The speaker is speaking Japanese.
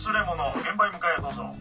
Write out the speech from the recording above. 現場へ向かへどうぞ。